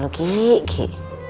udah deh kiki